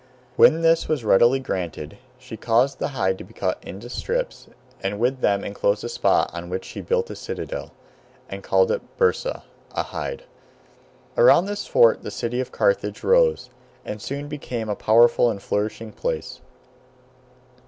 When this was readily granted, she caused the hide to be cut into strips, and with them enclosed a spot on which she built a citadel, and called it Byrsa (a hide). Around this fort the city of Carthage rose, and soon became a powerful and flourishing place.